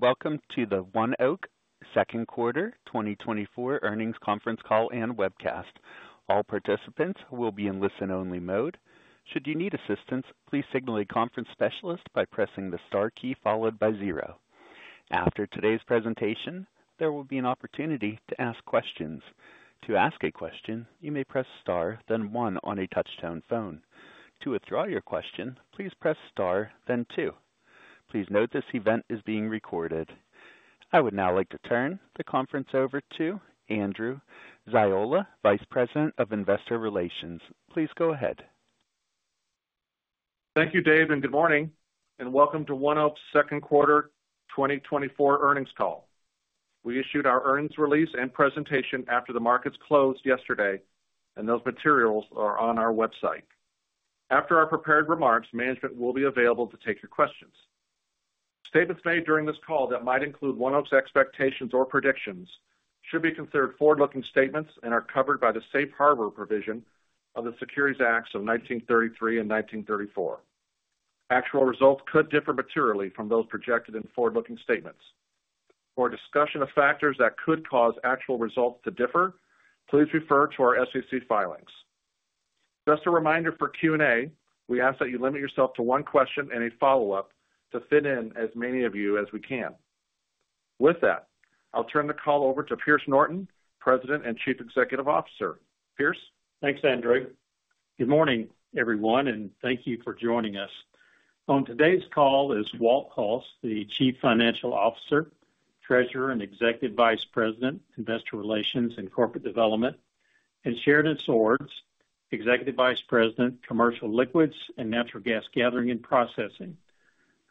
Welcome to the ONEOK second quarter 2024 earnings conference call and webcast. All participants will be in listen-only mode. Should you need assistance, please signal a conference specialist by pressing the star key followed by 0. After today's presentation, there will be an opportunity to ask questions. To ask a question, you may press star, then 1 on a touchtone phone. To withdraw your question, please press star, then 2. Please note this event is being recorded. I would now like to turn the conference over to Andrew Ziola, Vice President of Investor Relations. Please go ahead. Thank you, Dave, and good morning, and welcome to ONEOK's second quarter 2024 earnings call. We issued our earnings release and presentation after the markets closed yesterday, and those materials are on our website. After our prepared remarks, management will be available to take your questions. Statements made during this call that might include ONEOK's expectations or predictions should be considered forward-looking statements and are covered by the Safe Harbor provision of the Securities Acts of 1933 and 1934. Actual results could differ materially from those projected in forward-looking statements. For a discussion of factors that could cause actual results to differ, please refer to our SEC filings. Just a reminder for Q&A, we ask that you limit yourself to one question and a follow-up to fit in as many of you as we can. With that, I'll turn the call over to Pierce Norton, President and Chief Executive Officer. Pierce? Thanks, Andrew. Good morning, everyone, and thank you for joining us. On today's call is Walt Hulse, the Chief Financial Officer, Treasurer, and Executive Vice President, Investor Relations and Corporate Development, and Sheridan Swords, Executive Vice President, Commercial Liquids and Natural Gas Gathering and Processing.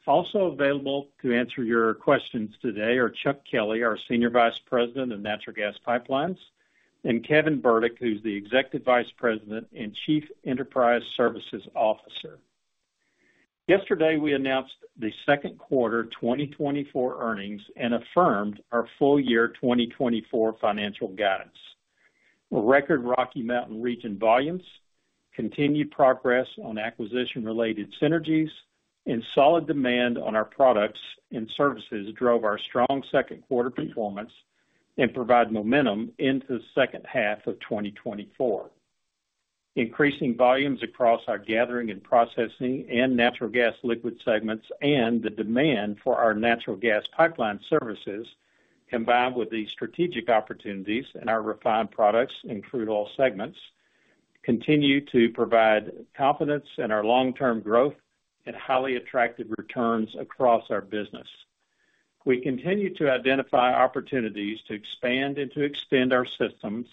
Also available to answer your questions today are Chuck Kelley, our Senior Vice President of Natural Gas Pipelines, and Kevin Burdick, who's the Executive Vice President and Chief Enterprise Services Officer. Yesterday, we announced the second quarter 2024 earnings and affirmed our full year 2024 financial guidance. Well, record Rocky Mountain region volumes, continued progress on acquisition-related synergies, and solid demand on our products and services drove our strong second quarter performance and provide momentum into the second half of 2024. Increasing volumes across our gathering and processing and natural gas liquid segments, and the demand for our natural gas pipeline services, combined with the strategic opportunities in our refined products and crude oil segments, continue to provide confidence in our long-term growth and highly attractive returns across our business. We continue to identify opportunities to expand and to extend our systems,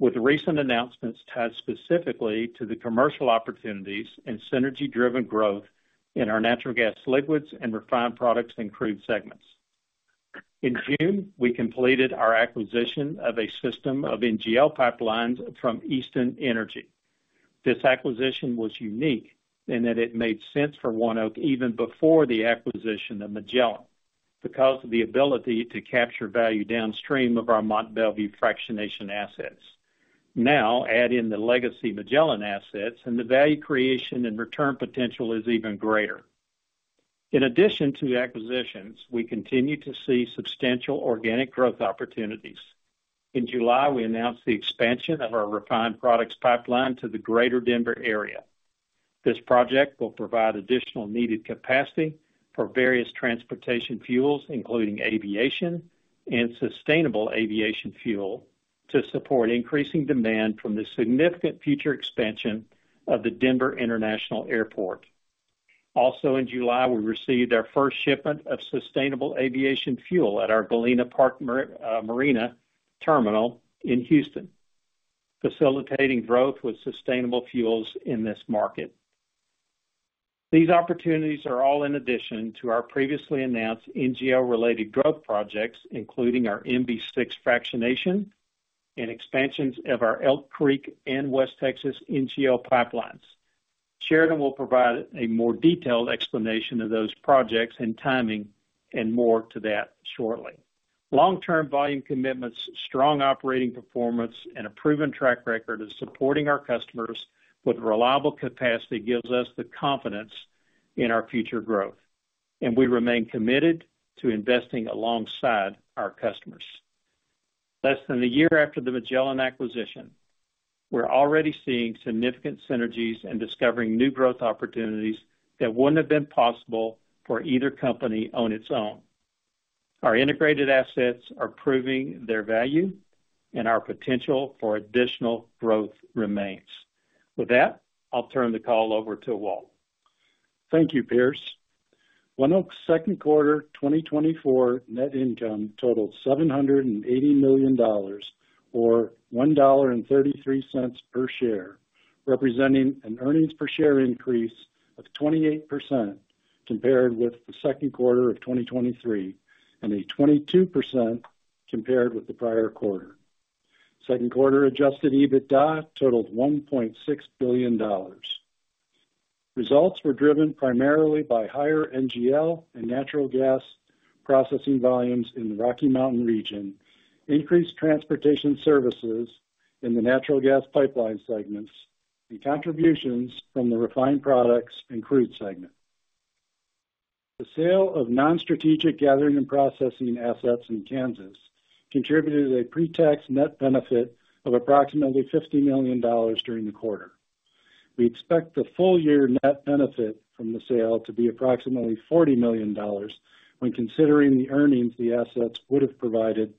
with recent announcements tied specifically to the commercial opportunities and synergy-driven growth in our natural gas, liquids, and refined products and crude segments. In June, we completed our acquisition of a system of NGL pipelines from Easton Energy. This acquisition was unique in that it made sense for ONEOK even before the acquisition of Magellan, because of the ability to capture value downstream of our Mont Belvieu fractionation assets. Now, add in the legacy Magellan assets, and the value creation and return potential is even greater. In addition to the acquisitions, we continue to see substantial organic growth opportunities. In July, we announced the expansion of our refined products pipeline to the greater Denver area. This project will provide additional needed capacity for various transportation fuels, including aviation and sustainable aviation fuel, to support increasing demand from the significant future expansion of the Denver International Airport. Also in July, we received our first shipment of sustainable aviation fuel at our Galena Park Marine Terminal in Houston, facilitating growth with sustainable fuels in this market. These opportunities are all in addition to our previously announced NGL-related growth projects, including our MB-6 fractionation and expansions of our Elk Creek and West Texas NGL pipelines. Sheridan will provide a more detailed explanation of those projects and timing and more to that shortly. Long-term volume commitments, strong operating performance, and a proven track record of supporting our customers with reliable capacity gives us the confidence in our future growth, and we remain committed to investing alongside our customers. Less than a year after the Magellan acquisition, we're already seeing significant synergies and discovering new growth opportunities that wouldn't have been possible for either company on its own. Our integrated assets are proving their value, and our potential for additional growth remains. With that, I'll turn the call over to Walt. Thank you, Pierce. ONEOK's second quarter 2024 net income totaled $780 million, or $1.33 per share, representing an earnings per share increase of 28% compared with the second quarter of 2023, and a 22% compared with the prior quarter. Second quarter Adjusted EBITDA totaled $1.6 billion. Results were driven primarily by higher NGL and natural gas processing volumes in the Rocky Mountain region, increased transportation services in the natural gas pipeline segments, and contributions from the refined products and crude segment. The sale of non-strategic gathering and processing assets in Kansas contributed to a pre-tax net benefit of approximately $50 million during the quarter. We expect the full year net benefit from the sale to be approximately $40 million when considering the earnings the assets would have provided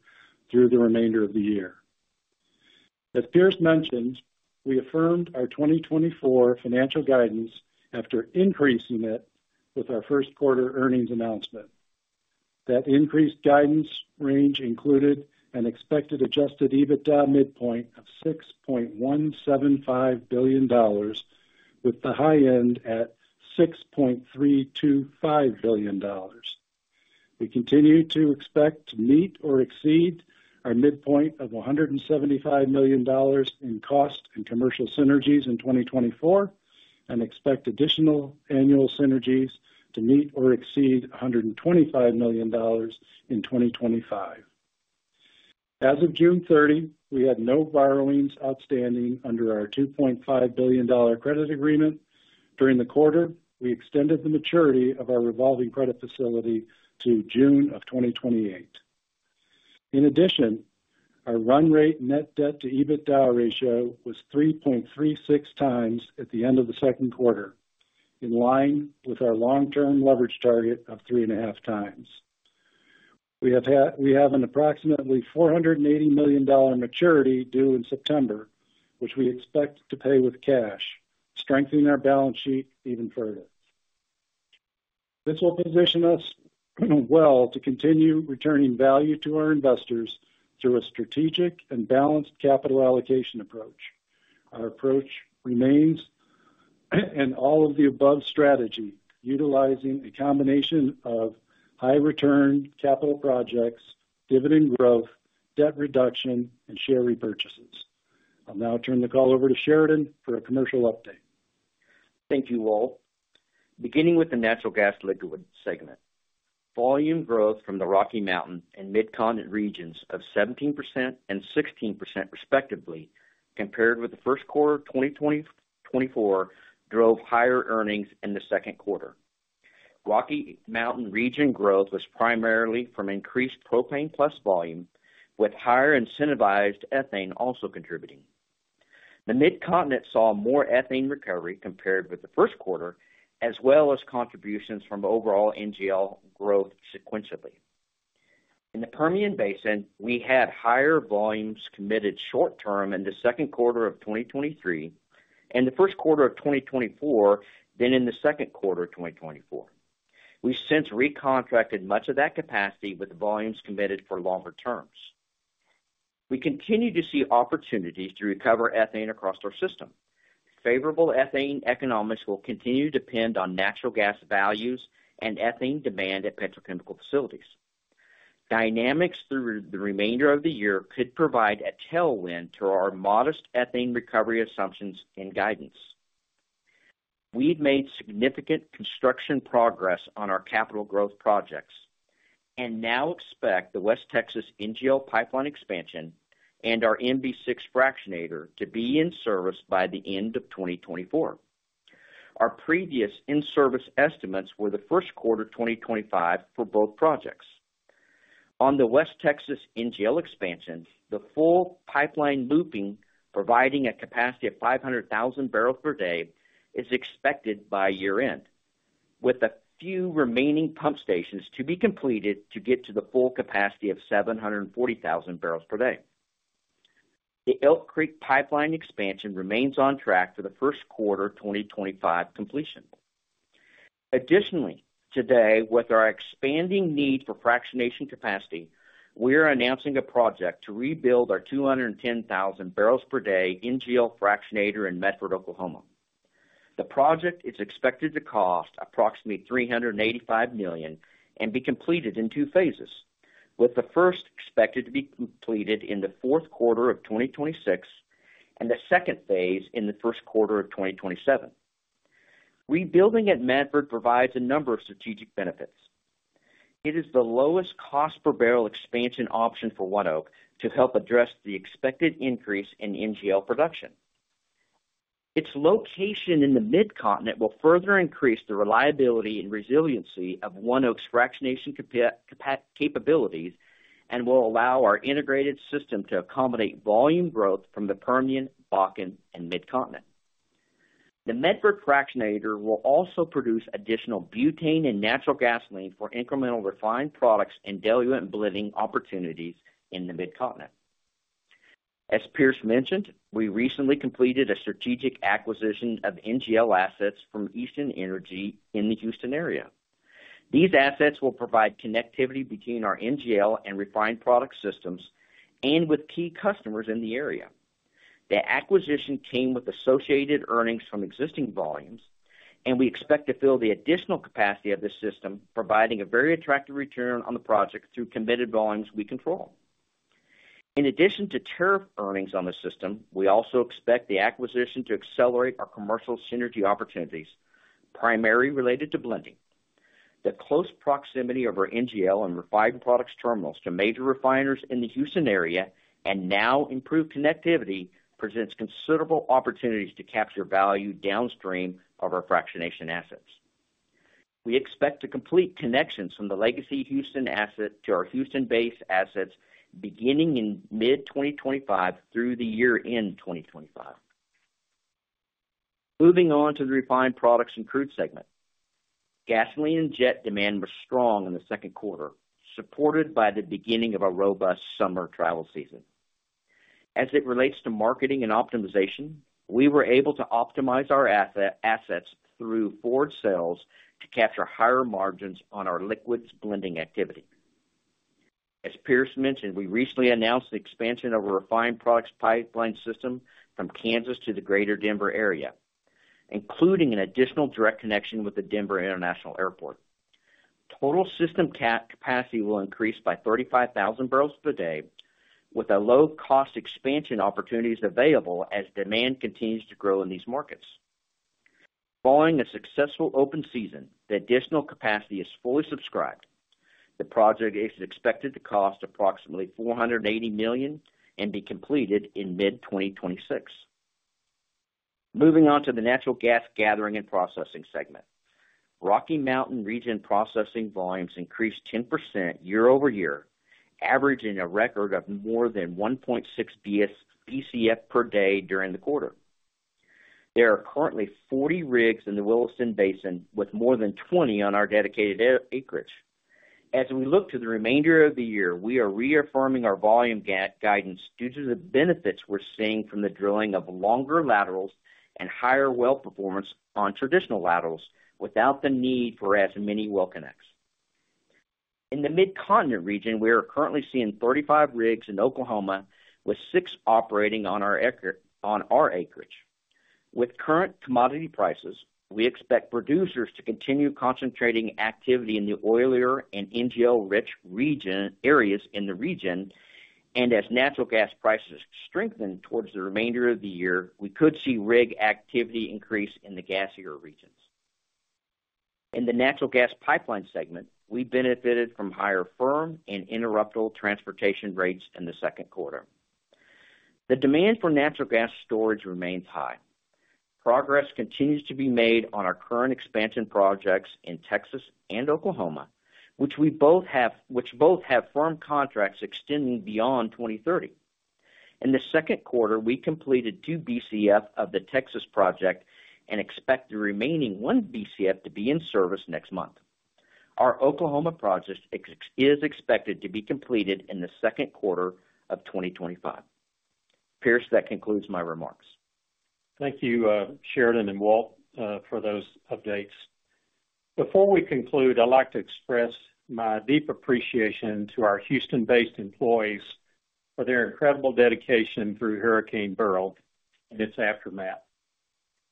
through the remainder of the year. As Pierce mentioned, we affirmed our 2024 financial guidance after increasing it with our first quarter earnings announcement. That increased guidance range included an expected Adjusted EBITDA midpoint of $6.175 billion, with the high end at $6.325 billion. We continue to expect to meet or exceed our midpoint of $175 million in cost and commercial synergies in 2024, and expect additional annual synergies to meet or exceed $125 million in 2025. As of June 30, we had no borrowings outstanding under our $2.5 billion credit agreement. During the quarter, we extended the maturity of our revolving credit facility to June 2028. In addition, our run rate net debt to EBITDA ratio was 3.36 times at the end of the second quarter, in line with our long-term leverage target of 3.5 times. We have an approximately $480 million maturity due in September, which we expect to pay with cash, strengthening our balance sheet even further. This will position us well to continue returning value to our investors through a strategic and balanced capital allocation approach. Our approach remains, and all of the above strategy, utilizing a combination of high return capital projects, dividend growth, debt reduction, and share repurchases. I'll now turn the call over to Sheridan for a commercial update. Thank you, Walt. Beginning with the natural gas liquid segment. Volume growth from the Rocky Mountain and Mid-Continent region of 17% and 16% respectively, compared with the first quarter of 2024, drove higher earnings in the second quarter. Rocky Mountain region growth was primarily from increased propane plus volume, with higher incentivized ethane also contributing. The Mid-Continent saw more ethane recovery compared with the first quarter, as well as contributions from overall NGL growth sequentially. In the Permian Basin, we had higher volumes committed short term in the second quarter of 2023 and the first quarter of 2024 than in the second quarter of 2024. We've since recontracted much of that capacity with volumes committed for longer terms. We continue to see opportunities to recover ethane across our system. Favorable ethane economics will continue to depend on natural gas values and ethane demand at petrochemical facilities. Dynamics through the remainder of the year could provide a tailwind to our modest ethane recovery assumptions and guidance. We've made significant construction progress on our capital growth projects and now expect the West Texas NGL Pipeline expansion and our MB-6 fractionator to be in service by the end of 2024. Our previous in-service estimates were the first quarter of 2025 for both projects. On the West Texas NGL expansion, the full pipeline looping, providing a capacity of 500,000 barrels per day, is expected by year-end, with a few remaining pump stations to be completed to get to the full capacity of 740,000 barrels per day. The Elk Creek Pipeline expansion remains on track for the first quarter of 2025 completion. Additionally, today, with our expanding need for fractionation capacity, we are announcing a project to rebuild our 210,000 barrels per day NGL fractionator in Medford, Oklahoma. The project is expected to cost approximately $385 million and be completed in two phases, with the first expected to be completed in the fourth quarter of 2026 and the second phase in the first quarter of 2027. Rebuilding at Medford provides a number of strategic benefits. It is the lowest cost per barrel expansion option for ONEOK to help address the expected increase in NGL production. Its location in the Mid-Continent will further increase the reliability and resiliency of ONEOK's fractionation capabilities and will allow our integrated system to accommodate volume growth from the Permian, Bakken, and Mid-Continent. The Medford fractionator will also produce additional butane and natural gasoline for incremental refined products and diluent blending opportunities in the Mid-Continent. As Pierce mentioned, we recently completed a strategic acquisition of NGL assets from Easton Energy in the Houston area. These assets will provide connectivity between our NGL and refined product systems and with key customers in the area. The acquisition came with associated earnings from existing volumes, and we expect to fill the additional capacity of this system, providing a very attractive return on the project through committed volumes we control. In addition to tariff earnings on the system, we also expect the acquisition to accelerate our commercial synergy opportunities, primarily related to blending.... The close proximity of our NGL and refined products terminals to major refiners in the Houston area, and now improved connectivity, presents considerable opportunities to capture value downstream of our fractionation assets. We expect to complete connections from the legacy Houston asset to our Houston-based assets beginning in mid-2025 through the year-end 2025. Moving on to the refined products and crude segment. Gasoline and jet demand were strong in the second quarter, supported by the beginning of a robust summer travel season. As it relates to marketing and optimization, we were able to optimize our assets through forward sales to capture higher margins on our liquids blending activity. As Pierce mentioned, we recently announced the expansion of a refined products pipeline system from Kansas to the greater Denver area, including an additional direct connection with the Denver International Airport. Total system capacity will increase by 35,000 barrels per day, with low-cost expansion opportunities available as demand continues to grow in these markets. Following a successful open season, the additional capacity is fully subscribed. The project is expected to cost approximately $480 million and be completed in mid-2026. Moving on to the natural gas gathering and processing segment. Rocky Mountain region processing volumes increased 10% year-over-year, averaging a record of more than 1.6 BCF per day during the quarter. There are currently 40 rigs in the Williston Basin, with more than 20 on our dedicated acreage. As we look to the remainder of the year, we are reaffirming our volume guidance due to the benefits we're seeing from the drilling of longer laterals and higher well performance on traditional laterals, without the need for as many well connects. In the Mid-Continent region, we are currently seeing 35 rigs in Oklahoma, with 6 operating on our acreage. With current commodity prices, we expect producers to continue concentrating activity in the oilier and NGL-rich regions, areas in the region, and as natural gas prices strengthen towards the remainder of the year, we could see rig activity increase in the gassier regions. In the natural gas pipeline segment, we benefited from higher firm and interrupted transportation rates in the second quarter. The demand for natural gas storage remains high. Progress continues to be made on our current expansion projects in Texas and Oklahoma, which both have firm contracts extending beyond 2030. In the second quarter, we completed 2 BCF of the Texas project and expect the remaining 1 BCF to be in service next month. Our Oklahoma project is expected to be completed in the second quarter of 2025. Pierce, that concludes my remarks. Thank you, Sheridan and Walt, for those updates. Before we conclude, I'd like to express my deep appreciation to our Houston-based employees for their incredible dedication through Hurricane Beryl and its aftermath.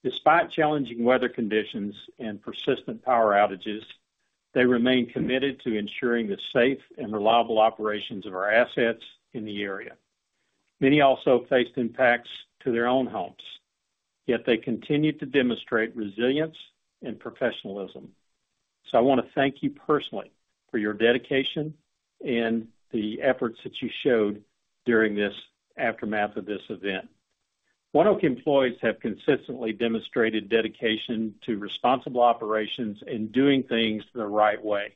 Despite challenging weather conditions and persistent power outages, they remain committed to ensuring the safe and reliable operations of our assets in the area. Many also faced impacts to their own homes, yet they continued to demonstrate resilience and professionalism. So I wanna thank you personally for your dedication and the efforts that you showed during this aftermath of this event. ONEOK employees have consistently demonstrated dedication to responsible operations and doing things the right way.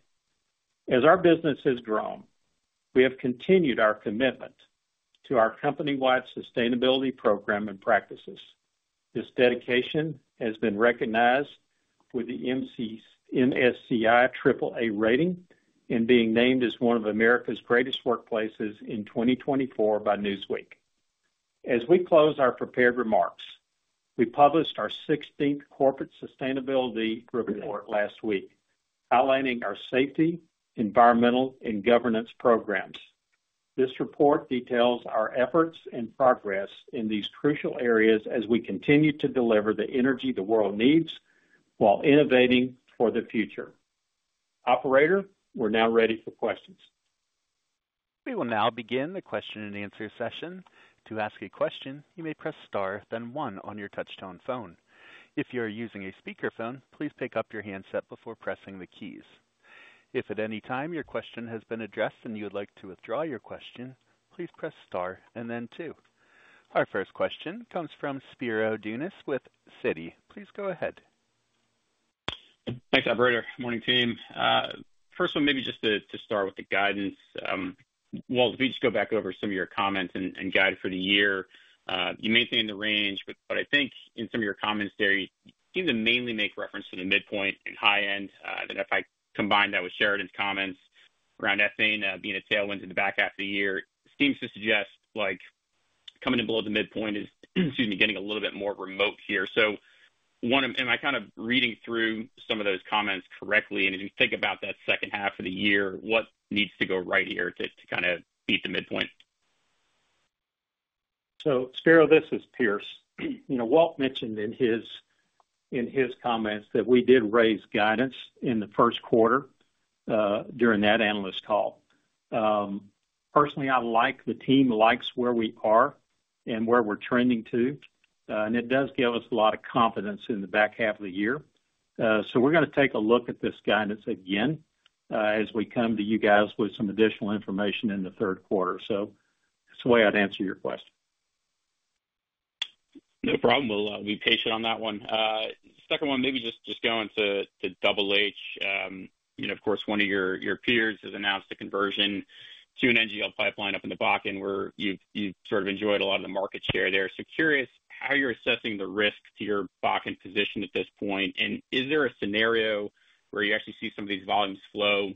As our business has grown, we have continued our commitment to our company-wide sustainability program and practices. This dedication has been recognized with the MSCI AAA rating and being named as one of America's Greatest Workplaces in 2024 by Newsweek. As we close our prepared remarks, we published our sixteenth Corporate Sustainability Report last week, outlining our safety, environmental, and governance programs. This report details our efforts and progress in these crucial areas as we continue to deliver the energy the world needs while innovating for the future. Operator, we're now ready for questions. We will now begin the question and answer session. To ask a question, you may press star, then one on your touchtone phone. If you are using a speakerphone, please pick up your handset before pressing the keys. If at any time your question has been addressed and you would like to withdraw your question, please press star and then two. Our first question comes from Spiro Dounis with Citi. Please go ahead. Thanks, operator. Morning, team. First one, maybe just to, to start with the guidance. Walt, if you just go back over some of your comments and guide for the year, you maintained the range, but, but I think in some of your comments there, you seem to mainly make reference to the midpoint and high end. Then if I combine that with Sheridan's comments around ethane being a tailwind in the back half of the year, seems to suggest, like, coming in below the midpoint is, excuse me, getting a little bit more remote here. So one, am I kind of reading through some of those comments correctly? And as you think about that second half of the year, what needs to go right here to kind of beat the midpoint? Spiro, this is Pierce. You know, Walt mentioned in his, in his comments that we did raise guidance in the first quarter.... during that analyst call. Personally, I like, the team likes where we are and where we're trending to, and it does give us a lot of confidence in the back half of the year. So we're gonna take a look at this guidance again, as we come to you guys with some additional information in the third quarter. So that's the way I'd answer your question. No problem. We'll be patient on that one. Second one, maybe just going to Double H. You know, of course, one of your peers has announced a conversion to an NGL pipeline up in the Bakken, where you've sort of enjoyed a lot of the market share there. So curious how you're assessing the risk to your Bakken position at this point, and is there a scenario where you actually see some of these volumes flow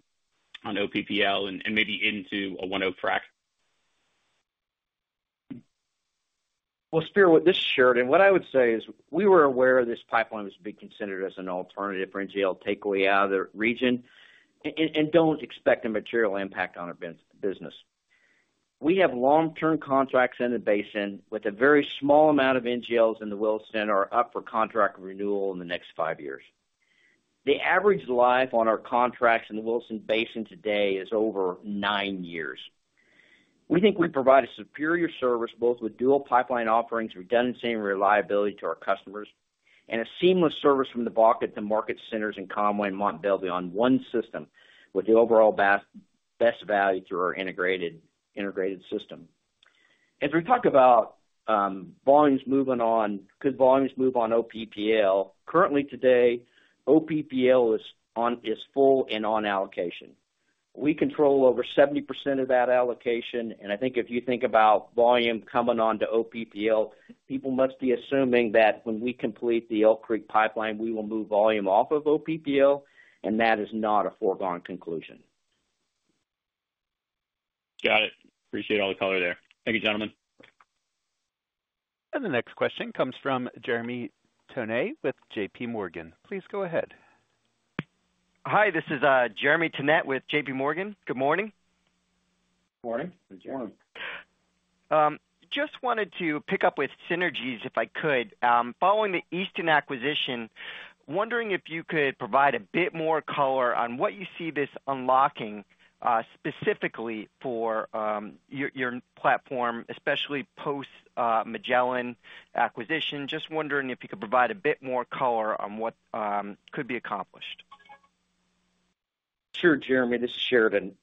on OPPL and maybe into a T-Frac? Well, sure, with this chart, and what I would say is we were aware this pipeline was being considered as an alternative for NGL takeaway out of the region and don't expect a material impact on our business. We have long-term contracts in the basin with a very small amount of NGLs in the Williston area up for contract renewal in the next 5 years. The average life on our contracts in the Williston Basin today is over 9 years. We think we provide a superior service, both with dual pipeline offerings, redundancy and reliability to our customers, and a seamless service from the Bakken to market centers in Conway and Mont Belvieu on one system, with the overall best value through our integrated system. As we talk about, volumes moving on—could volumes move on OPPL? Currently, today, OPPL is on, is full and on allocation. We control over 70% of that allocation, and I think if you think about volume coming onto OPPL, people must be assuming that when we complete the Elk Creek Pipeline, we will move volume off of OPPL, and that is not a foregone conclusion. Got it. Appreciate all the color there. Thank you, gentlemen. The next question comes from Jeremy Tonet with J.P. Morgan. Please go ahead. Hi, this is, Jeremy Tonet with J.P. Morgan. Good morning. Morning. Good morning. Just wanted to pick up with synergies, if I could. Following the Easton acquisition, wondering if you could provide a bit more color on what you see this unlocking, specifically for your platform, especially post Magellan acquisition. Just wondering if you could provide a bit more color on what could be accomplished. Sure, Jeremy, this is Sheridan.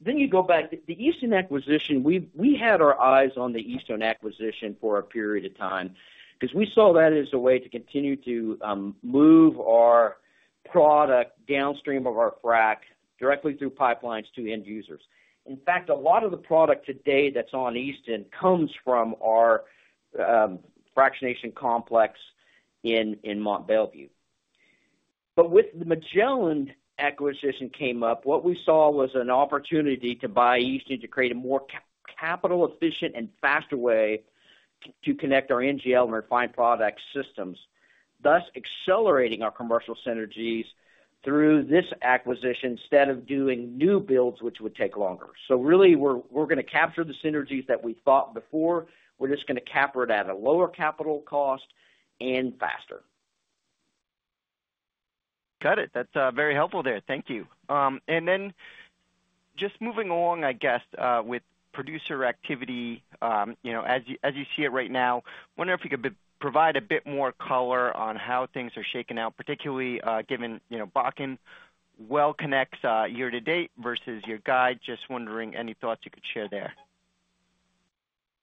Then you go back to the Easton acquisition. We had our eyes on the Easton acquisition for a period of time because we saw that as a way to continue to move our product downstream of our frac directly through pipelines to end users. In fact, a lot of the product today that's on Easton comes from our fractionation complex in Mont Belvieu. But with the Magellan acquisition came up, what we saw was an opportunity to buy Easton to create a more capital efficient and faster way to connect our NGL and refined product systems, thus accelerating our commercial synergies through this acquisition, instead of doing new builds, which would take longer. So really, we're gonna capture the synergies that we thought before. We're just gonna capture it at a lower capital cost and faster. Got it. That's very helpful there. Thank you. And then just moving along, I guess, with producer activity, you know, as you, as you see it right now, I wonder if you could provide a bit more color on how things are shaking out, particularly, given, you know, Bakken well connects, year to date versus your guide. Just wondering, any thoughts you could share there?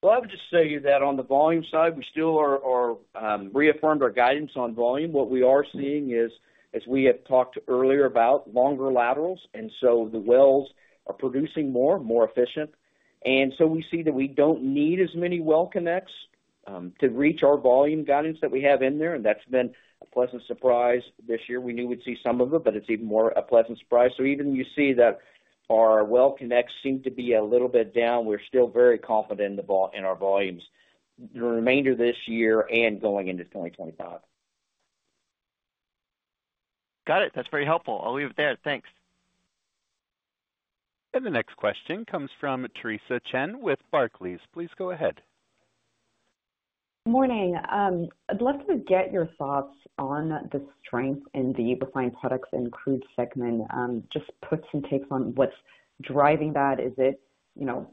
Well, I would just say that on the volume side, we still are reaffirmed our guidance on volume. What we are seeing is, as we have talked earlier about longer laterals, and so the wells are producing more efficient, and so we see that we don't need as many well connects to reach our volume guidance that we have in there, and that's been a pleasant surprise this year. We knew we'd see some of it, but it's even more a pleasant surprise. So even you see that our well connects seem to be a little bit down, we're still very confident in our volumes the remainder of this year and going into 2025. Got it. That's very helpful. I'll leave it there. Thanks. The next question comes from Theresa Chen with Barclays. Please go ahead. Morning. I'd love to get your thoughts on the strength in the refined products and crude segment. Just put some takes on what's driving that. Is it, you know,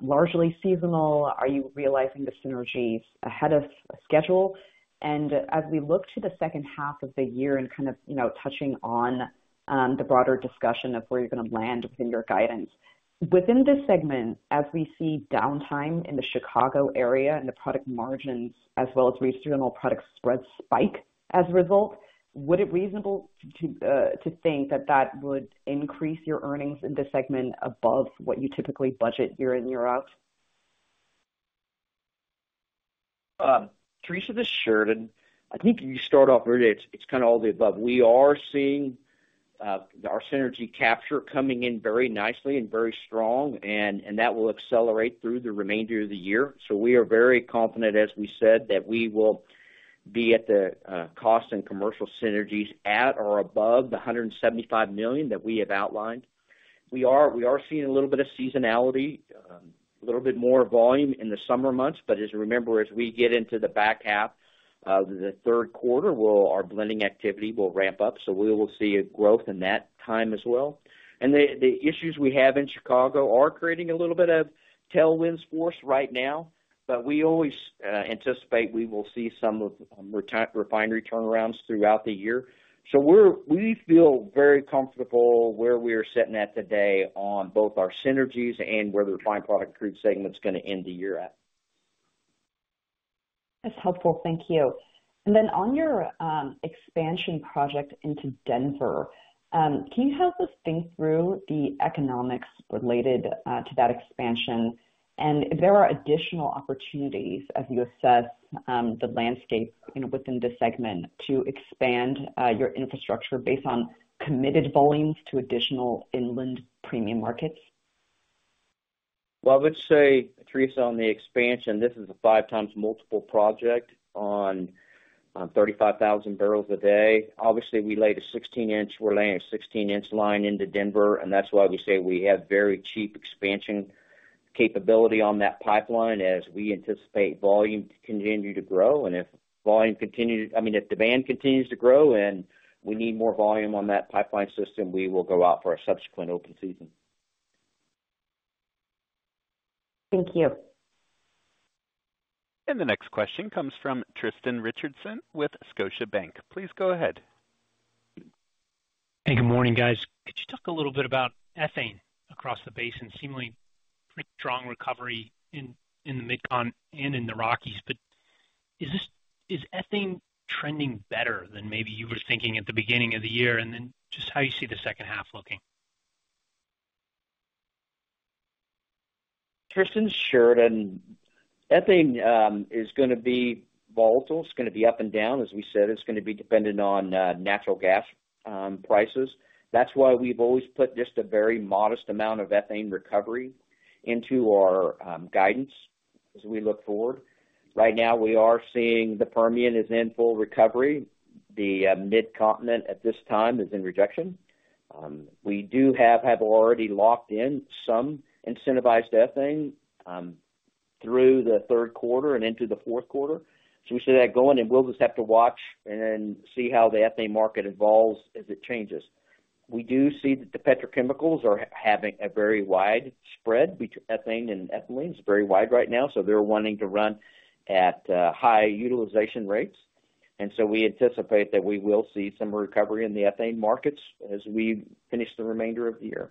largely seasonal? Are you realizing the synergies ahead of schedule? And as we look to the second half of the year and kind of, you know, touching on the broader discussion of where you're gonna land within your guidance. Within this segment, as we see downtime in the Chicago area and the product margins, as well as regional product spreads spike as a result, would it reasonable to think that that would increase your earnings in this segment above what you typically budget year in, year out? Theresa, this is Sheridan. I think if you start off really, it's kind of all the above. We are seeing our synergy capture coming in very nicely and very strong, and, and that will accelerate through the remainder of the year. So we are very confident, as we said, that we will be at the cost and commercial synergies at or above the $175 million that we have outlined. We are, we are seeing a little bit of seasonality, a little bit more volume in the summer months. But as you remember, as we get into the back half of the third quarter, we'll - our blending activity will ramp up, so we will see a growth in that time as well. The issues we have in Chicago are creating a little bit of tailwinds for us right now, but we always anticipate we will see some of refinery turnarounds throughout the year. So we feel very comfortable where we are sitting at today on both our synergies and where the refined product crude segment's gonna end the year at. That's helpful. Thank you. And then on your expansion project into Denver, can you help us think through the economics related to that expansion? And if there are additional opportunities as you assess the landscape, you know, within the segment, to expand your infrastructure based on committed volumes to additional inland premium markets? Well, I would say, Theresa, on the expansion, this is a 5x multiple project on 35,000 barrels a day. Obviously, we laid a 16-inch... We're laying a 16-inch line into Denver, and that's why we say we have very cheap expansion capability on that pipeline as we anticipate volume to continue to grow. And if volume continue-- I mean, if demand continues to grow and we need more volume on that pipeline system, we will go out for a subsequent open season. Thank you. The next question comes from Tristan Richardson with Scotiabank. Please go ahead. Hey, good morning, guys. Could you talk a little bit about ethane across the basin? Seemingly pretty strong recovery in the MidCon and in the Rockies. But is this, is ethane trending better than maybe you were thinking at the beginning of the year? And then just how you see the second half looking. Tristan, Sheridan. Ethane, is gonna be volatile. It's gonna be up and down, as we said. It's gonna be dependent on, natural gas, prices. That's why we've always put just a very modest amount of ethane recovery into our, guidance as we look forward. Right now, we are seeing the Permian is in full recovery. The, Mid-Continent at this time is in rejection. We do have already locked in some incentivized ethane, through the third quarter and into the fourth quarter. So we see that going, and we'll just have to watch and see how the ethane market evolves as it changes. We do see that the petrochemicals are having a very wide spread between ethane and ethylene. It's very wide right now, so they're wanting to run at, high utilization rates. We anticipate that we will see some recovery in the ethane markets as we finish the remainder of the year.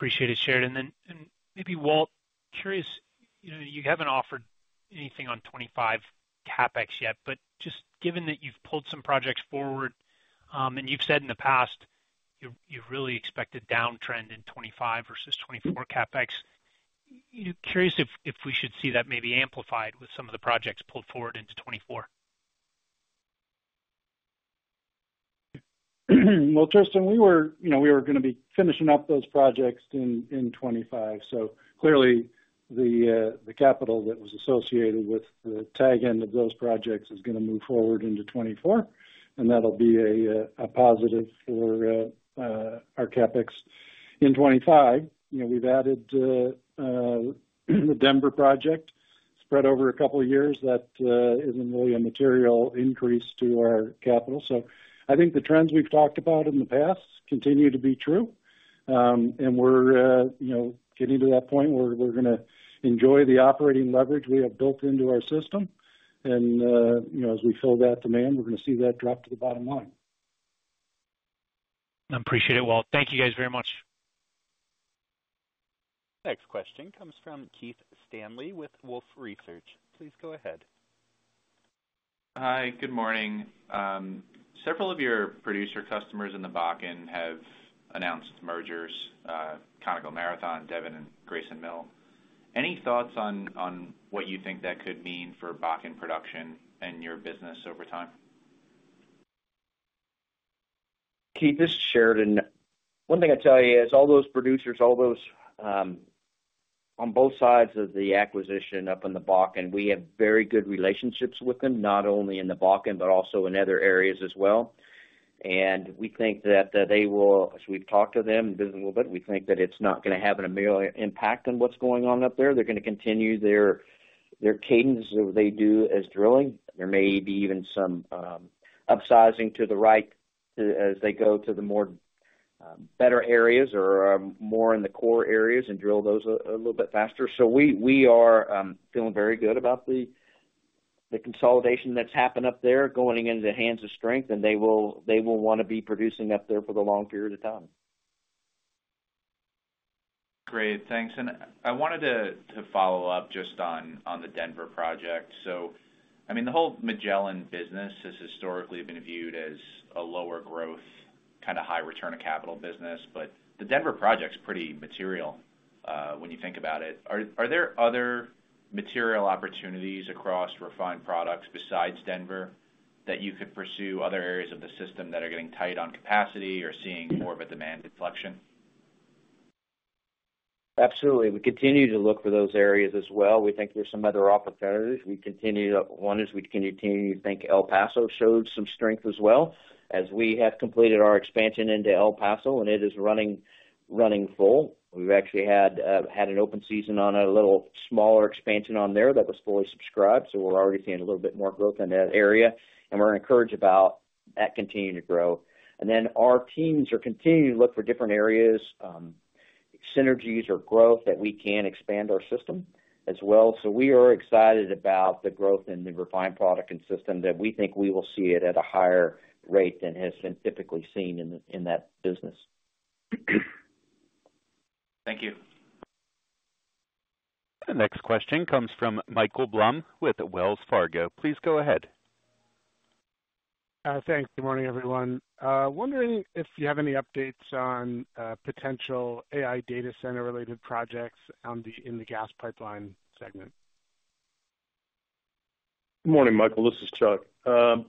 Appreciate it, Sheridan. And then, maybe, Walt, curious, you know, you haven't offered anything on 2025 CapEx yet, but just given that you've pulled some projects forward, and you've said in the past, you, you really expect a downtrend in 2025 versus 2024 CapEx, you, curious if, if we should see that maybe amplified with some of the projects pulled forward into 2024? Well, Tristan, we were, you know, we were gonna be finishing up those projects in 2025. So clearly, the capital that was associated with the tag end of those projects is gonna move forward into 2024, and that'll be a positive for our CapEx. In 2025, you know, we've added the Denver project, spread over a couple of years, that isn't really a material increase to our capital. So I think the trends we've talked about in the past continue to be true. And we're, you know, getting to that point where we're gonna enjoy the operating leverage we have built into our system. And, you know, as we fill that demand, we're gonna see that drop to the bottom line. I appreciate it, Walt. Thank you guys very much. Next question comes from Keith Stanley with Wolfe Research. Please go ahead. Hi, good morning. Several of your producer customers in the Bakken have announced mergers, Conoco, Marathon, Devon, and Grayson Mill. Any thoughts on what you think that could mean for Bakken production and your business over time? Keith, this is Sheridan. One thing I'd tell you is all those producers, all those on both sides of the acquisition up in the Bakken, we have very good relationships with them, not only in the Bakken, but also in other areas as well. And we think that they will... As we've talked to them a little bit, we think that it's not gonna have an immediate impact on what's going on up there. They're gonna continue their cadence they do as drilling. There may be even some upsizing to the right to-- as they go to the more better areas or more in the core areas and drill those a little bit faster. So we are feeling very good about the consolidation that's happened up there going into the hands of strength, and they will wanna be producing up there for the long period of time. Great, thanks. And I wanted to follow up just on the Denver project. So, I mean, the whole Magellan business has historically been viewed as a lower growth, kind of high return on capital business, but the Denver project's pretty material, when you think about it. Are there other material opportunities across refined products besides Denver, that you could pursue other areas of the system that are getting tight on capacity or seeing more of a demand deflection?... Absolutely. We continue to look for those areas as well. We think there's some other opportunities. One is we continue to think El Paso showed some strength as well, as we have completed our expansion into El Paso, and it is running full. We've actually had an open season on a little smaller expansion on there that was fully subscribed, so we're already seeing a little bit more growth in that area, and we're encouraged about that continuing to grow. And then our teams are continuing to look for different areas, synergies or growth that we can expand our system as well. So we are excited about the growth in the refined product and system that we think we will see it at a higher rate than has been typically seen in that business. Thank you. The next question comes from Michael Blum with Wells Fargo. Please go ahead. Thanks. Good morning, everyone. Wondering if you have any updates on potential AI data center-related projects in the gas pipeline segment? Good morning, Michael. This is Chuck.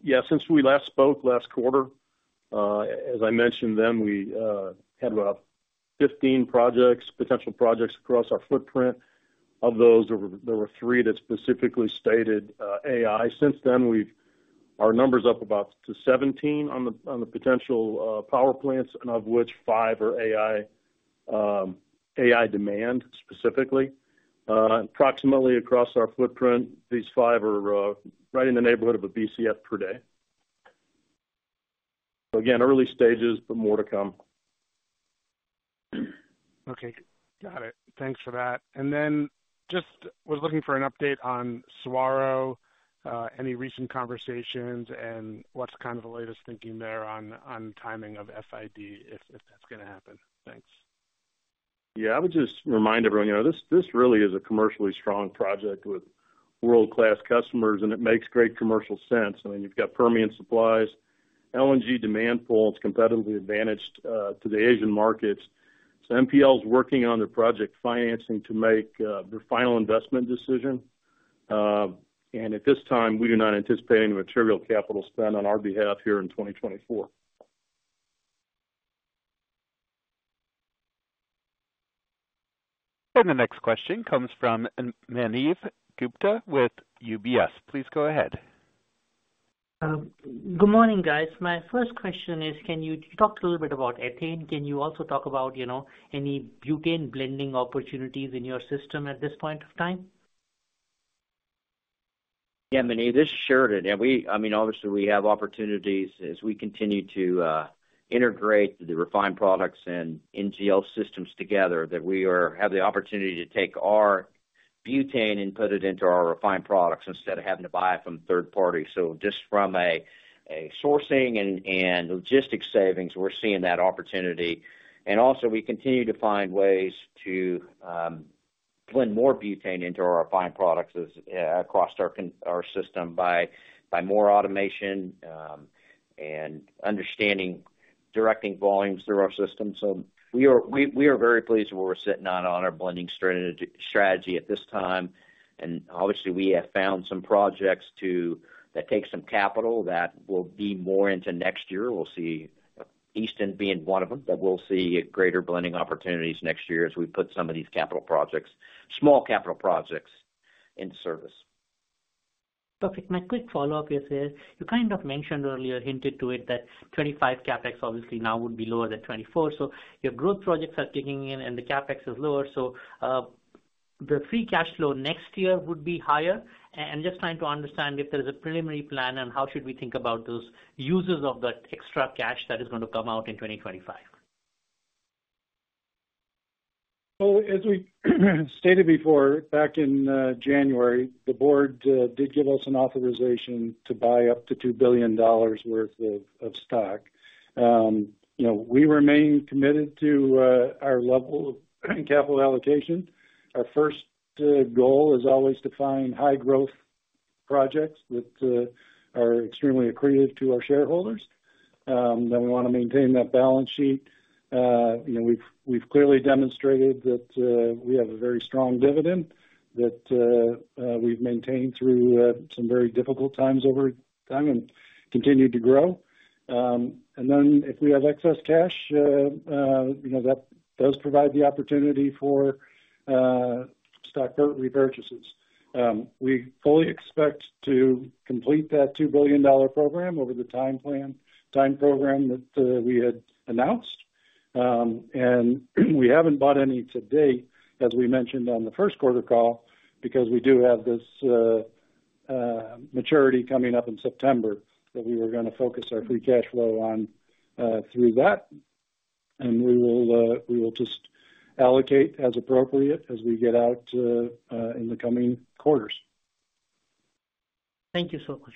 Yeah, since we last spoke last quarter, as I mentioned then, we had about 15 projects, potential projects across our footprint. Of those, there were three that specifically stated AI. Since then, we've our number's up about to 17 on the potential power plants, and of which five are AI AI demand, specifically. Approximately across our footprint, these five are right in the neighborhood of a BCF per day. So again, early stages, but more to come. Okay, got it. Thanks for that. And then just was looking for an update on Saguaro, any recent conversations and what's kind of the latest thinking there on timing of FID, if that's gonna happen? Thanks. Yeah, I would just remind everyone, you know, this, this really is a commercially strong project with world-class customers, and it makes great commercial sense. I mean, you've got Permian supplies, LNG demand pools, competitively advantaged to the Asian markets. So MPL is working on their project financing to make their final investment decision. And at this time, we are not anticipating material capital spend on our behalf here in 2024. The next question comes from Manav Gupta with UBS. Please go ahead. Good morning, guys. My first question is, can you—you talked a little bit about ethane. Can you also talk about, you know, any butane blending opportunities in your system at this point of time? Yeah, Manav, this is Sheridan, and we—I mean, obviously, we have opportunities as we continue to integrate the refined products and NGL systems together, that we have the opportunity to take our butane and put it into our refined products instead of having to buy it from a third party. So just from a sourcing and logistics savings, we're seeing that opportunity. And also, we continue to find ways to blend more butane into our refined products across our system by more automation and understanding, directing volumes through our system. So we are very pleased with where we're sitting on our blending strategy at this time. And obviously, we have found some projects to that take some capital that will be more into next year. We'll see Easton being one of them, but we'll see greater blending opportunities next year as we put some of these capital projects, small capital projects into service. Perfect. My quick follow-up is, you kind of mentioned earlier, hinted to it, that 2025 CapEx obviously now would be lower than 2024. So your growth projects are kicking in and the CapEx is lower, so, the free cash flow next year would be higher? I'm just trying to understand if there is a preliminary plan and how should we think about those uses of that extra cash that is going to come out in 2025. Well, as we stated before, back in January, the board did give us an authorization to buy up to $2 billion worth of stock. You know, we remain committed to our level of capital allocation. Our first goal is always to find high growth projects that are extremely accretive to our shareholders. Then we want to maintain that balance sheet. You know, we've clearly demonstrated that we have a very strong dividend that we've maintained through some very difficult times over time and continued to grow. And then if we have excess cash, you know, that does provide the opportunity for stock repurchases. We fully expect to complete that $2 billion program over the time program that we had announced. And we haven't bought any to date, as we mentioned on the first quarter call, because we do have this maturity coming up in September, that we were gonna focus our free cash flow on, through that. And we will just allocate as appropriate as we get out in the coming quarters. Thank you so much.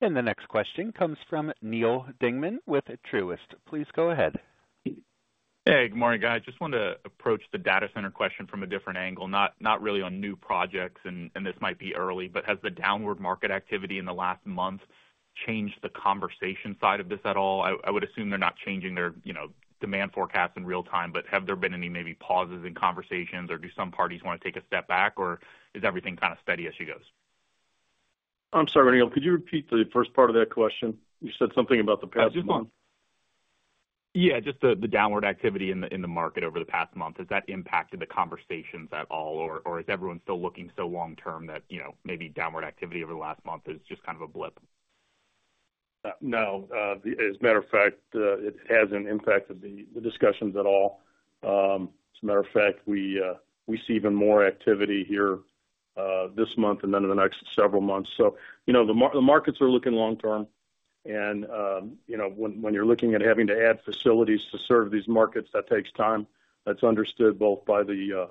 The next question comes from Neal Dingman with Truist. Please go ahead. Hey, good morning, guys. Just wanted to approach the data center question from a different angle, not, not really on new projects, and, and this might be early, but has the downward market activity in the last month changed the conversation side of this at all? I would assume they're not changing their, you know, demand forecast in real time, but have there been any maybe pauses in conversations, or do some parties want to take a step back, or is everything kind of steady as she goes? ... I'm sorry, Neel, could you repeat the first part of that question? You said something about the past month. Yeah, just the downward activity in the market over the past month. Has that impacted the conversations at all, or is everyone still looking so long term that, you know, maybe downward activity over the last month is just kind of a blip? No. As a matter of fact, it hasn't impacted the discussions at all. As a matter of fact, we see even more activity here this month and then in the next several months. So, you know, the markets are looking long term and, you know, when you're looking at having to add facilities to serve these markets, that takes time. That's understood both by the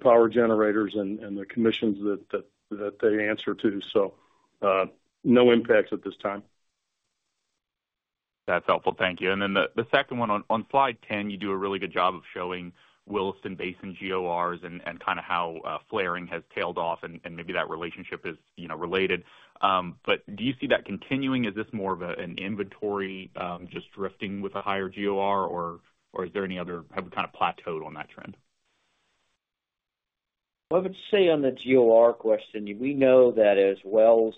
power generators and the commissions that they answer to. So, no impacts at this time. That's helpful. Thank you. And then the second one, on slide 10, you do a really good job of showing Williston Basin GORs and kind of how flaring has tailed off, and maybe that relationship is, you know, related. But do you see that continuing? Is this more of an inventory just drifting with a higher GOR, or is there any other - have it kind of plateaued on that trend? Well, I would say on the GOR question, we know that as wells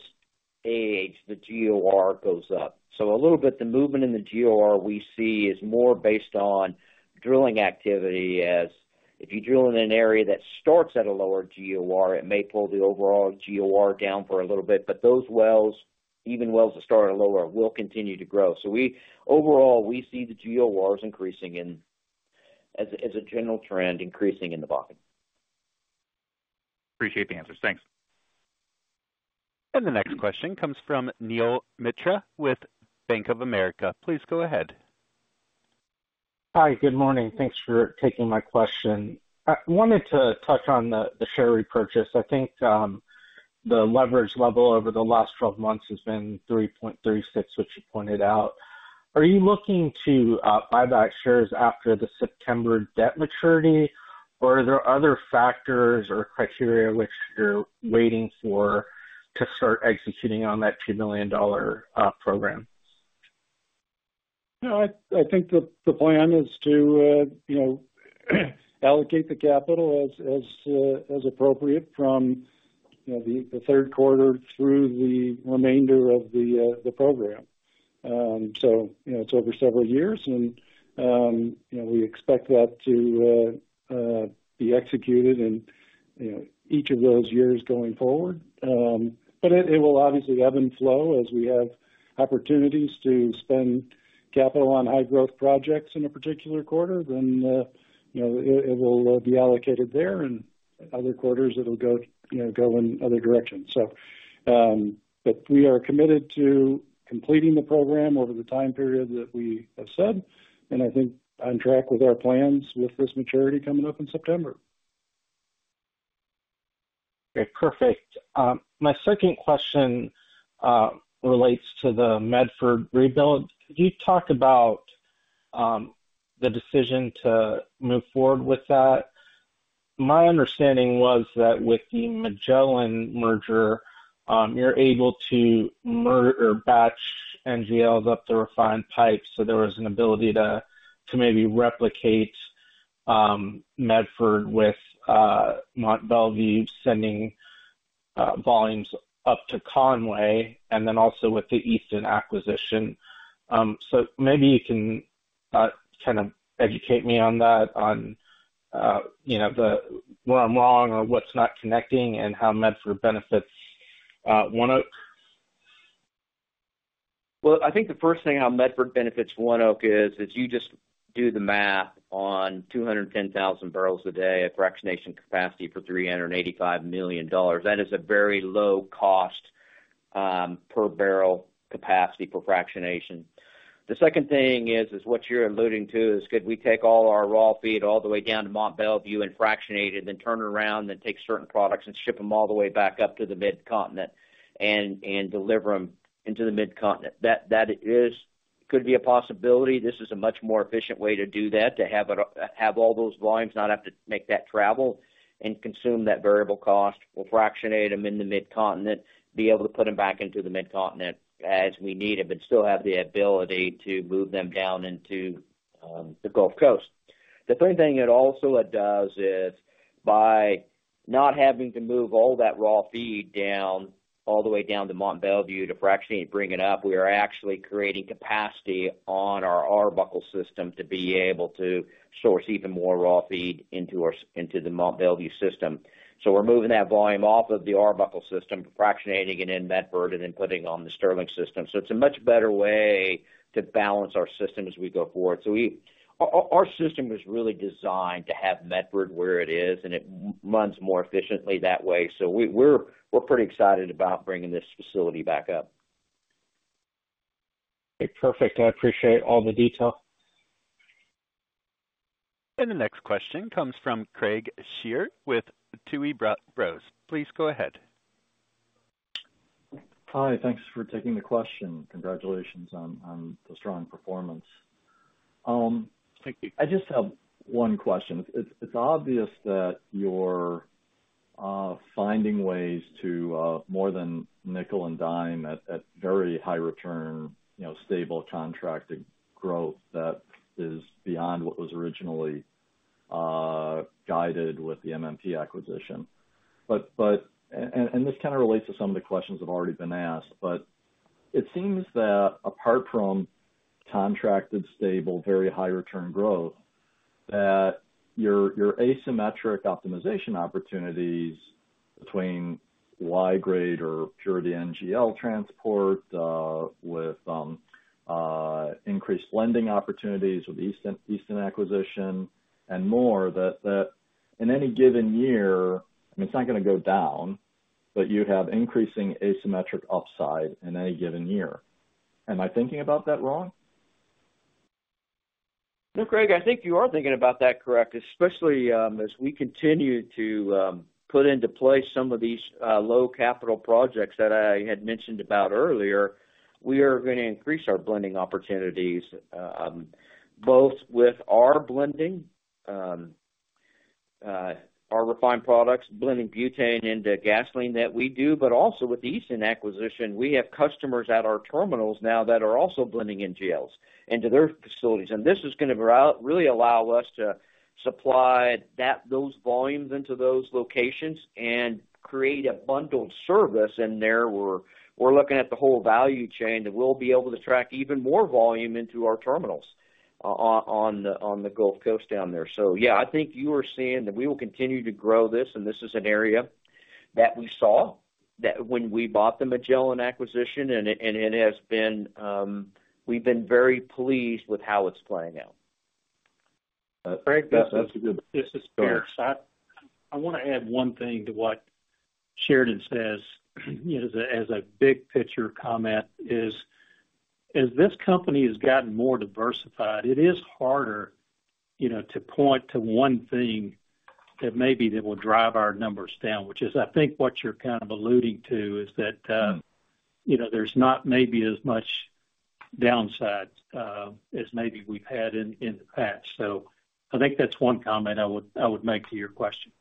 age, the GOR goes up. So a little bit, the movement in the GOR we see is more based on drilling activity, as if you drill in an area that starts at a lower GOR, it may pull the overall GOR down for a little bit, but those wells, even wells that start at lower, will continue to grow. So, overall, we see the GORs increasing in as a general trend, increasing in the Bakken. Appreciate the answers. Thanks. The next question comes from Neel Mitra with Bank of America. Please go ahead. Hi, good morning. Thanks for taking my question. I wanted to touch on the, the share repurchase. I think, the leverage level over the last 12 months has been 3.36, which you pointed out. Are you looking to buy back shares after the September debt maturity, or are there other factors or criteria which you're waiting for to start executing on that $2 million program? No, I think the plan is to, you know, allocate the capital as appropriate from, you know, the third quarter through the remainder of the program. So, you know, it's over several years and, you know, we expect that to be executed in, you know, each of those years going forward. But it will obviously ebb and flow as we have opportunities to spend capital on high growth projects in a particular quarter, then, you know, it will be allocated there, and other quarters, it'll go, you know, go in other directions. So, but we are committed to completing the program over the time period that we have said, and I think on track with our plans with this maturity coming up in September. Okay, perfect. My second question relates to the Medford rebuild. Could you talk about the decision to move forward with that? My understanding was that with the Magellan merger, you're able to batch NGLs up the refined pipes, so there was an ability to maybe replicate Medford with Mont Belvieu sending volumes up to Conway and then also with the Easton acquisition. So maybe you can kind of educate me on that, on you know, the where I'm wrong or what's not connecting and how Medford benefits ONEOK. Well, I think the first thing how Medford benefits ONEOK is you just do the math on 210,000 barrels a day at fractionation capacity for $385 million. That is a very low cost per barrel capacity for fractionation. The second thing is what you're alluding to, is could we take all our raw feed all the way down to Mont Belvieu and fractionate it, then turn it around and take certain products and ship them all the way back up to the Mid-Continent and deliver them into the Mid-Continent. That could be a possibility. This is a much more efficient way to do that, to have all those volumes, not have to make that travel and consume that variable cost. We'll fractionate them in the Mid-Continent, be able to put them back into the Mid-Continent as we need them, but still have the ability to move them down into the Gulf Coast. The third thing it also does is, by not having to move all that raw feed down, all the way down to Mont Belvieu to fractionate and bring it up, we are actually creating capacity on our Arbuckle system to be able to source even more raw feed into the Mont Belvieu system. So we're moving that volume off of the Arbuckle system, fractionating it in Medford, and then putting it on the Sterling system. So it's a much better way to balance our system as we go forward. So our system was really designed to have Medford where it is, and it runs more efficiently that way. So we're pretty excited about bringing this facility back up. Okay, perfect. I appreciate all the detail. The next question comes from Craig Shere with Tuohy Brothers. Please go ahead. Hi, thanks for taking the question. Congratulations on the strong performance. Thank you. I just have one question. It's, it's obvious that you're, finding ways to, more than nickel and dime at, at very high return, you know, stable contracted growth that is beyond what was originally guided with the Magellan acquisition. But this kind of relates to some of the questions that have already been asked, but it seems that apart from contracted, stable, very high return growth, that your asymmetric optimization opportunities between y-grade or purity NGL transport with increased lending opportunities with the Easton acquisition and more, that in any given year, I mean, it's not going to go down, but you have increasing asymmetric upside in any given year. Am I thinking about that wrong? No, Craig, I think you are thinking about that correct, especially, as we continue to put into place some of these low capital projects that I had mentioned about earlier, we are going to increase our blending opportunities, both with our blending our refined products, blending butane into gasoline that we do, but also with the Easton acquisition, we have customers at our terminals now that are also blending NGLs into their facilities. And this is going to allow really allow us to supply that those volumes into those locations and create a bundled service in there, where we're looking at the whole value chain, and we'll be able to track even more volume into our terminals on the Gulf Coast down there. So yeah, I think you are seeing that we will continue to grow this, and this is an area that we saw that when we bought the Magellan acquisition, and it, and it has been... We've been very pleased with how it's playing out. Craig, that's a good- This is Pierce. I want to add one thing to what Sheridan says, you know, as a big picture comment, as this company has gotten more diversified, it is harder, you know, to point to one thing that maybe that will drive our numbers down, which is, I think, what you're kind of alluding to, is that, you know, there's not maybe as much downside as maybe we've had in the past. So I think that's one comment I would make to your question.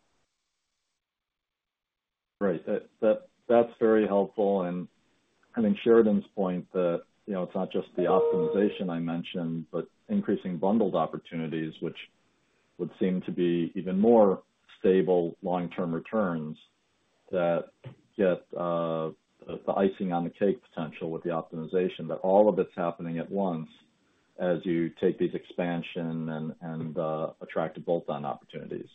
Right. That, that's very helpful. And I think Sheridan's point that, you know, it's not just the optimization I mentioned, but increasing bundled opportunities, which would seem to be even more stable long-term returns that get the icing on the cake potential with the optimization. But all of it's happening at once as you take these expansion and attractive bolt-on opportunities.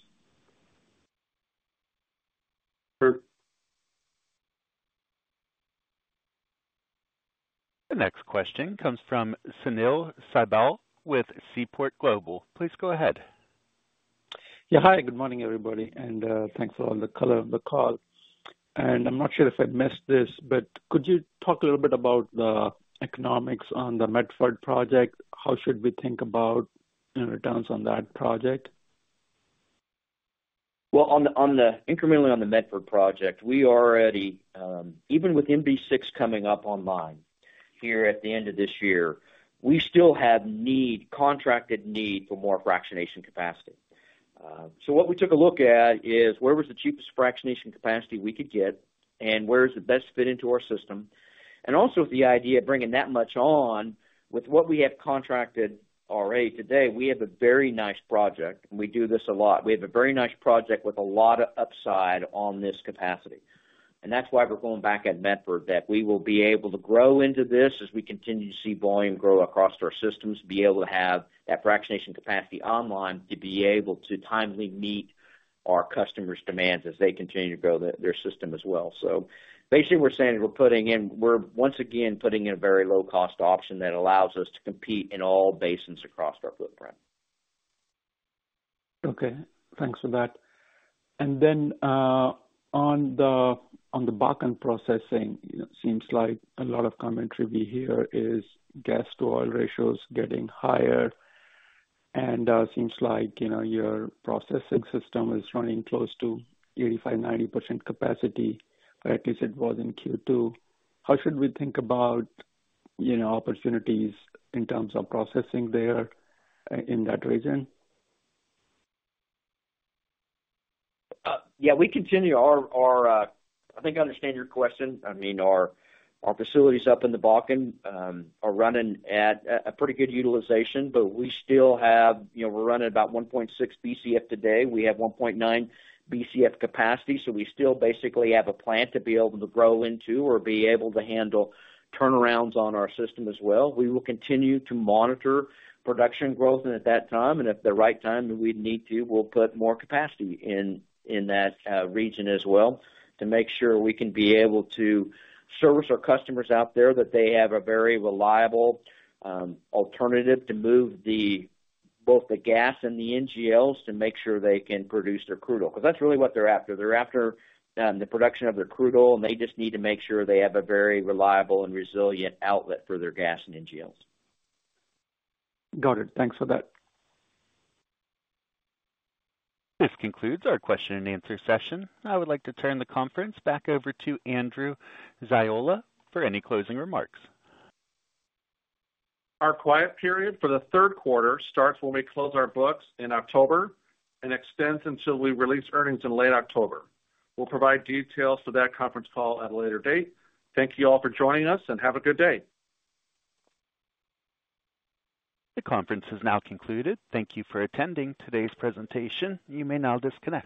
Sure. The next question comes from Sunil Sibal with Seaport Global. Please go ahead. Yeah. Hi, good morning, everybody, and thanks for all the color on the call. I'm not sure if I missed this, but could you talk a little bit about the economics on the Medford project? How should we think about, you know, returns on that project? Well, incrementally on the Medford project, we already, even with MB-6 coming up online here at the end of this year, we still have need, contracted need for more fractionation capacity. So what we took a look at is where was the cheapest fractionation capacity we could get and where is the best fit into our system, and also with the idea of bringing that much on with what we have contracted already today, we have a very nice project, and we do this a lot. We have a very nice project with a lot of upside on this capacity, and that's why we're going back at Medford, that we will be able to grow into this as we continue to see volume grow across our systems, be able to have that fractionation capacity online, to be able to timely meet our customers' demands as they continue to grow their, their system as well. So basically, we're saying we're putting in, we're once again putting in a very low-cost option that allows us to compete in all basins across our footprint. Okay, thanks for that. Then, on the Bakken processing, it seems like a lot of commentary we hear is gas to oil ratios getting higher, and seems like, you know, your processing system is running close to 85%-90% capacity, or at least it was in Q2. How should we think about, you know, opportunities in terms of processing there in that region? Yeah, we continue our, our. I think I understand your question. I mean, our facilities up in the Bakken are running at a pretty good utilization, but we still have, you know, we're running about 1.6 BCF today. We have 1.9 BCF capacity, so we still basically have a plant to be able to grow into or be able to handle turnarounds on our system as well. We will continue to monitor production growth and at that time, and if the right time that we need to, we'll put more capacity in that region as well, to make sure we can be able to service our customers out there, that they have a very reliable alternative to move both the gas and the NGLs, to make sure they can produce their crude oil. Because that's really what they're after. They're after, the production of their crude oil, and they just need to make sure they have a very reliable and resilient outlet for their gas and NGLs. Got it. Thanks for that. This concludes our question and answer session. I would like to turn the conference back over to Andrew Ziola for any closing remarks. Our quiet period for the third quarter starts when we close our books in October and extends until we release earnings in late October. We'll provide details for that conference call at a later date. Thank you all for joining us, and have a good day. The conference is now concluded. Thank you for attending today's presentation. You may now disconnect.